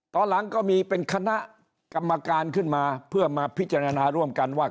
ตอนหลังก็มีเป็นคณะกรรมการขึ้นมาเพื่อมาพิจารณาร่วมกันว่า